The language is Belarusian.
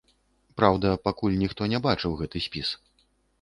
Праўда, пакуль ніхто не бачыў гэты спіс.